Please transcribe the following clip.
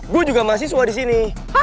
gue juga mahasiswa disini